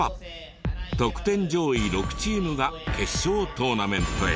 得点上位６チームが決勝トーナメントへ。